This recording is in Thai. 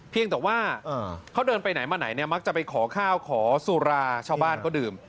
เพียงแต่ว่าเขาเดินไปไหนมาไหนเนี่ยมักจะไปขอข้าวขอสุราชาวบ้านก็ดื่ม